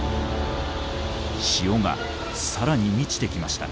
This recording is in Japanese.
潮がさらに満ちてきました。